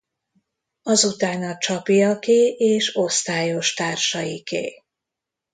Azután a Csapiaké és osztályos társaiké.